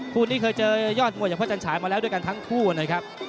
คู่นี้เคยเจอยอดมวยอย่างพระจันฉายมาแล้วด้วยกันทั้งคู่นะครับ